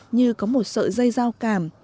như có một sợi dây giao cảm